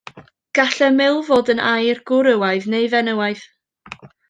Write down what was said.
Gall ymyl fod yn air gwrywaidd neu fenywaidd.